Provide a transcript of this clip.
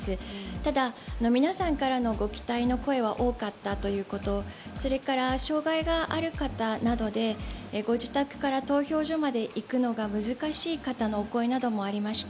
ただ、皆さんからのご期待の声は多かったということそれから障害のある方などでご自宅から投票所まで行くのが難しい方からのお声もありました。